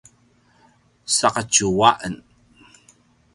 saqetju a en